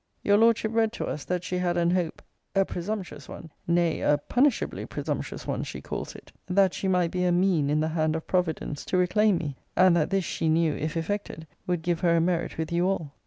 Your Lordship read to us, that she had an hope, a presumptuous one: nay, a punishably presumptuous one, she calls it; 'that she might be a mean, in the hand of Providence, to reclaim me; and that this, she knew, if effected, would give her a merit with you all.'